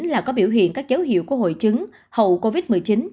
là có biểu hiện các dấu hiệu của hội chứng hậu covid một mươi chín